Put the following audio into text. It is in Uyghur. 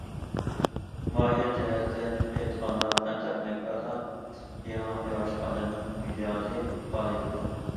ماھىيەت جەھەتتىن ئېيتقاندا، پەن- تېخنىكىدا يېڭىلىق يارىتىش ئادەمنىڭ ئىجادىي پائالىيىتىدۇر.